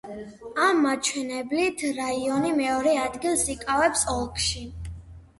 ამ მაჩვენებლით რაიონი მეორე ადგილს იკავებს ოლქში.